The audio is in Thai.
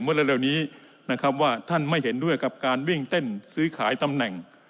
เร็วนี้นะครับว่าท่านไม่เห็นด้วยกับการวิ่งเต้นซื้อขายตำแหน่ง